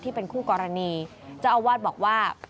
เป็นคู่กรณีเจ้าอาวาสบอกว่า